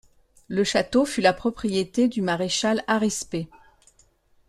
Le château fut la propriété du maréchal Harispe.